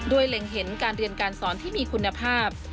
เล็งเห็นการเรียนการสอนที่มีคุณภาพ